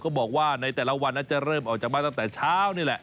ก็บอกว่าในแต่ละวันจะเริ่มออกจากบ้านตั้งแต่เช้านี่แหละ